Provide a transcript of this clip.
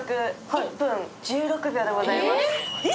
１分１６秒でございます。